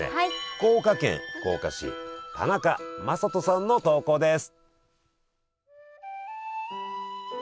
福岡県福岡市田中雅人さんの投稿です。